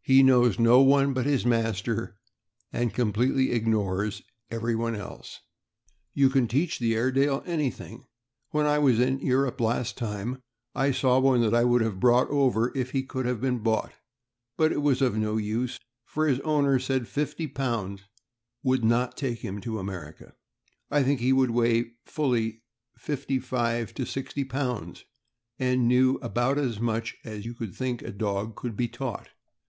He knows no one but his master, and completely ignores everyone else. ... You can teach the Airedale Terrrier anything. When I was in Europe the last time, I saw one that I would have brought over if he could have been bought; but it was of no use, for his owner said £50 would not take him to America. I think he would weigh fully fifty five to sixty pounds, and knew about as much as you would think a dog could be taught.